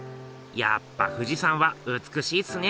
やっぱ富士山は美しいっすね。